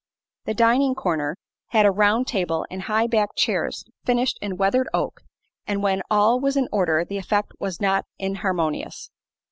The dining corner had a round table and high backed chairs finished in weathered oak, and when all was in order the effect was not inharmonious.